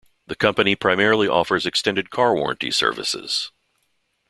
The company primarily offers extended car warranty services.